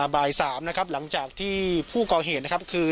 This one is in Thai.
บ่าย๓นะครับหลังจากที่ผู้ก่อเหตุนะครับคือ